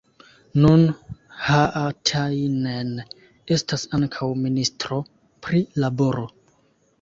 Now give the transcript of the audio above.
Nun Haatainen estas ankaŭ ministro pri laboro.